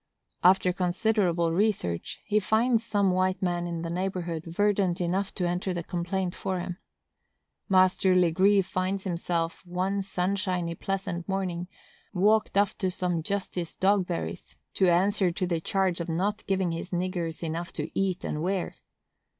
After considerable research, he finds some white man in the neighborhood verdant enough to enter the complaint for him. Master Legree finds himself, one sunshiny, pleasant morning, walked off to some Justice Dogberry's, to answer to the charge of not giving his niggers enough to eat and wear.